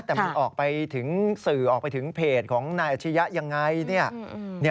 แต่มันสื่อออกไปถึงเพจของนาอัชยะยังไง